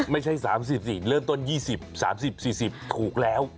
ไม่ใช่๓๐สิเริ่มต้น๒๐๓๐๔๐ถูกแล้ว